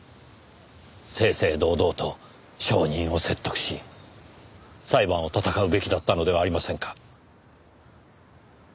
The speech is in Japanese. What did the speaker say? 正々堂々と証人を説得し裁判を戦うべきだったのではありませんか？